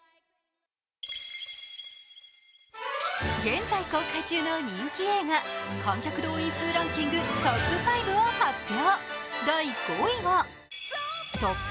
現在公開中の人気映画、観客動員数ランキングトップ５を発表。